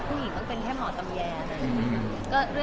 ผู้หญิงคงต้องเป็นหมอตำแย